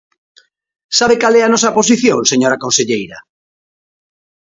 ¿Sabe cal é a nosa posición, señora conselleira?